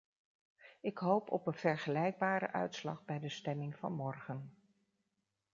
Ik hoop op een vergelijkbare uitslag bij de stemming van morgen.